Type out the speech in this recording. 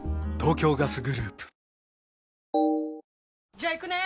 じゃあ行くね！